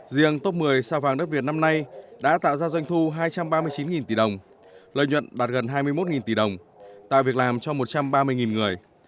riêng top một mươi sao vàng đất việt năm nay đã tạo ra doanh thu hai trăm ba mươi chín tỷ đồng lợi nhuận đạt gần hai mươi một tỷ đồng tạo việc làm cho một trăm ba mươi người